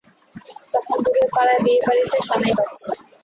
তখন দূরের পাড়ায় বিয়েবাড়িতে সানাই বাজছে।